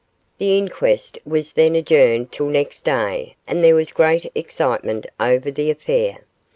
The inquest was then adjourned till next day, and there was great excitement over the affair.